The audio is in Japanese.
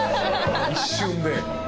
一瞬で。